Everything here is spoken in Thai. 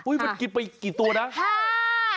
อุ้ยมันกินไปกี่ตัวนะ